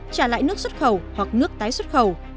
trả lại nước xuất khẩu hoặc nước tái xuất khẩu